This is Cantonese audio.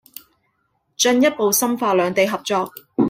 進一步深化兩地合作